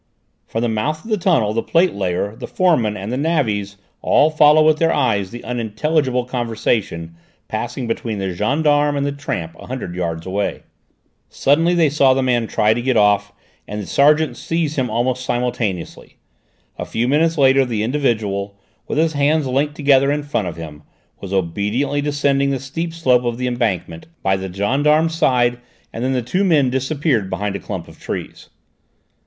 From the mouth of the tunnel the plate layer, the foreman and the navvies all followed with their eyes the unintelligible conversation passing between the gendarme and the tramp a hundred yards away. Suddenly they saw the man try to get off and the sergeant seize him almost simultaneously. A few minutes later the individual, with his hands linked together in front of him, was obediently descending the steep slope of the embankment, by the gendarme's side, and then the two men disappeared behind a clump of trees.